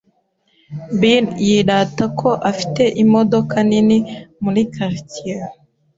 Bill yirata ko afite imodoka nini muri quartier.